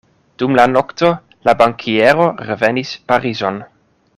Dum la nokto la bankiero revenis Parizon.